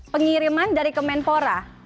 pengiriman dari kemenpora